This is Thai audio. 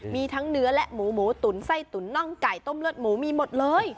มีทั้งเนื้อและหมูหมูตุ๋นไส้ตุ๋นน่องไก่ต้มเลือดหมูมีหมดเลย